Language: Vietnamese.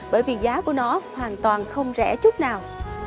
bởi vì giá của nó hoàn toàn không rẻ chút nào